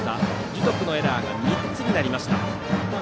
樹徳のエラーが３つになりました。